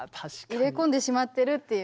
入れ込んでしまってるっていう。